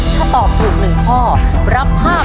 ถ้าตอบถูก๑ข้อรับ๕๐๐๐